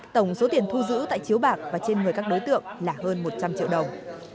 tổng số tiền thu giữ tại chiếu bạc và trên người các đối tượng là hơn một trăm linh triệu đồng